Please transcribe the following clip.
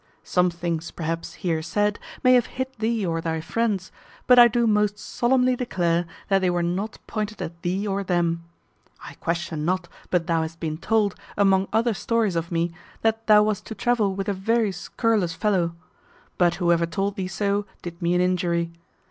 Some things, perhaps, here said, may have hit thee or thy friends; but I do most solemnly declare they were not pointed at thee or them. I question not but thou hast been told, among other stories of me, that thou wast to travel with a very scurrilous fellow; but whoever told thee so did me an injury.